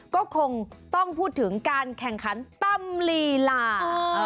ก็คงต้องพูดถึงการแข่งขันตำลีลา